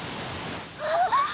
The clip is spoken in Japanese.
あっ！